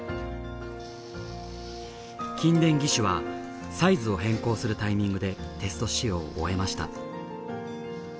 筋電義手はサイズを変更するタイミングでテスト使用を終えました。